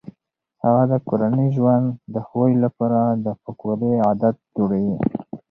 هغه د کورني ژوند د ښه والي لپاره د پاکوالي عادات جوړوي.